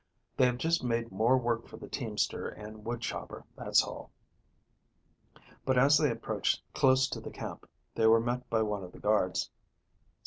"They have just made more work for the teamster and woodchopper, that's all." But, as they approached close to the camp, they were met by one of the guards.